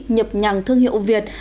nhập nhàng thương hiệu việt